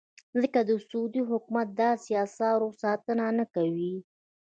ځکه د سعودي حکومت داسې اثارو ساتنه نه کوي.